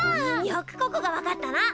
よくここが分かったな！